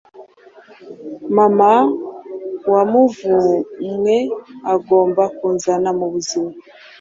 mama wavumwe, ugomba kunzana mubuzima?